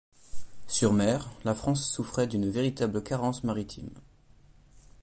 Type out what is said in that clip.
Sur mer, la France souffrait d'une véritable carence maritime.